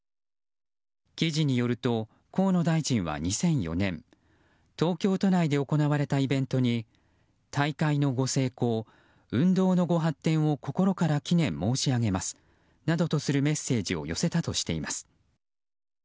記事によると河野大臣は２００４年東京都内で行われたイベントに大会のご成功運動のご発展を心から祈念申し上げますなどとするメッセージを寄せたとしています。